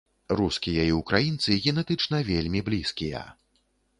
Рускія і ўкраінцы генетычна вельмі блізкія.